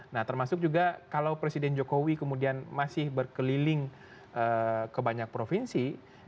nah termasuk juga kalau presiden jokowi kemudian masih berkeliling ke banyak provinsi